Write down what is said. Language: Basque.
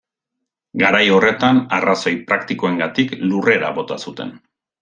Garai horretan, arrazoi praktikoengatik, lurrera bota zuten.